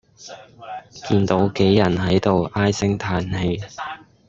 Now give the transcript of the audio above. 見到杞人喺度唉聲嘆氣